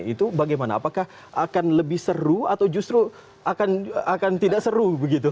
itu bagaimana apakah akan lebih seru atau justru akan tidak seru begitu